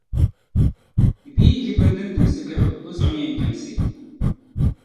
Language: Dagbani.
Bia yi ʒi bini din timsi gari o, o zuɣu n-yɛn jiŋsi.